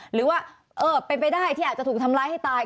หรือว่าเป็นไปได้ที่อาจจะถูกทำร้ายให้ตาย